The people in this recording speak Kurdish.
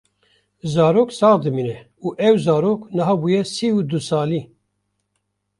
Zarok sax dimîne û ew zarok niha bûye sî û du salî